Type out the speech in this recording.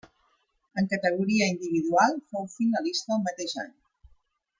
En categoria individual fou finalista el mateix any.